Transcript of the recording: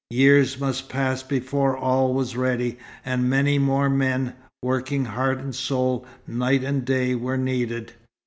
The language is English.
Years must pass before all was ready, and many more men, working heart and soul, night and day, were needed.